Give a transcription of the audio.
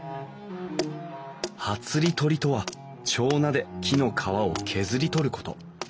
はつり取りとは手斧で木の皮を削り取ること。